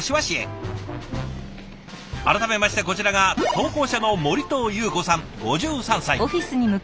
改めましてこちらが投稿者の森藤有子さん５３歳。